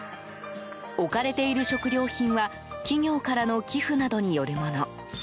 置かれている食料品は企業からの寄付などによるもの。